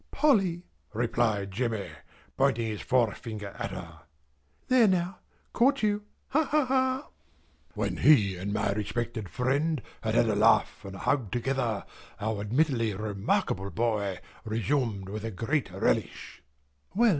"Polly!" replied Jemmy, pointing his forefinger at her. "There now! Caught you! Ha, ha, ha!" When he and my respected friend had had a laugh and a hug together, our admittedly remarkable boy resumed with a great relish: "Well!